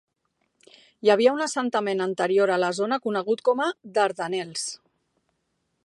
Hi havia un assentament anterior a la zona conegut com a "Dardanels".